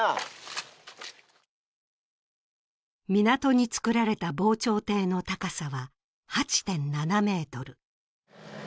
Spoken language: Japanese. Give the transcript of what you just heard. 港に造られた防潮堤の高さは８．７ｍ。